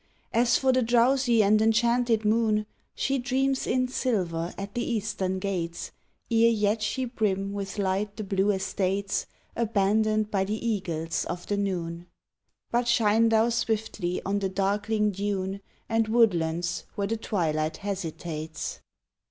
As for the drowsy and enchanted moon, She dreams in silver at the eastern gates Ere yet she brim with light the blue estates Abandoned by the eagles of the noon. But shine thou swiftly on the darkling dune And woodlands where the twilight hesitates.